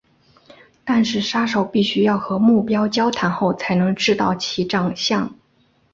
但是杀手必须要和目标交谈过才能知道其长相。